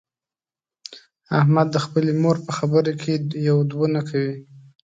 احمد د خپلې مور په خبره کې یو دوه نه کوي.